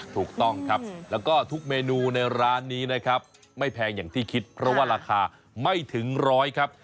ถูกต้องครับแล้วก็ทุกเมนูในร้านนี้นะครับไม่แพงอย่างที่คิดเพราะว่าราคาไม่ถึงร้อยครับ